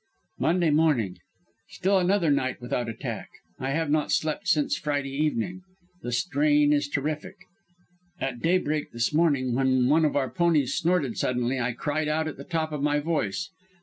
"Monday morning. Still another night without attack. I have not slept since Friday evening. The strain is terrific. At daybreak this morning, when one of our ponies snorted suddenly, I cried out at the top of my voice.